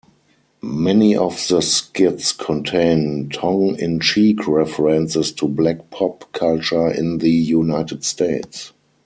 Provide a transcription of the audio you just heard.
Many of the skits contain tongue-in-cheek references to black pop-culture in the United States.